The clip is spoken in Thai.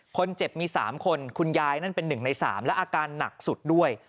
คนเจ็บมี๓คนคุณยายนั่นเป็น๑ใน๓และอาการหนักสุดด้วย